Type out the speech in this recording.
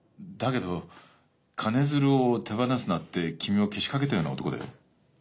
だけど金づるを手放すなって君をけしかけたような男だよ。